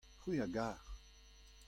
c'hwi a gar.